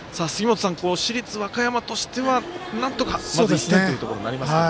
市立和歌山としては、なんとかまず１点というところになりますか。